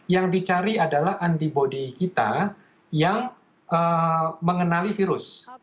yang dicari adalah antibody kita yang mengenali virus